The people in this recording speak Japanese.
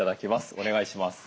お願いします。